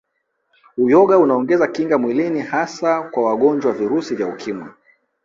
Uyoga unaongeza kinga mwilini hasa kwa wangonjwa wa Virusi vya Ukimwi